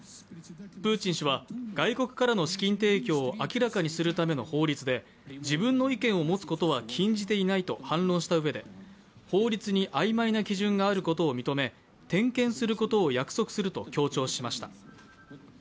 プーチン氏は外国からの新規提供を明らかにするための法律で自分の意見を持つことは禁じていないと反論したうえで法律に曖昧な基準があることを認め点検することを約束すると強調しました。